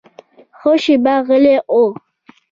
ښه شېبه غلی و.